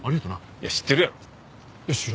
いや知ってるやろ。